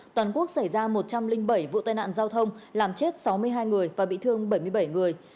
toàn quốc xảy ra một trăm linh bảy vụ tai nạn giao thông làm chết sáu mươi hai người và bị thương bảy mươi bảy người